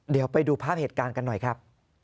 เดี๋ยวไปดูภาพเหตุการณ์กันหน่อยครับ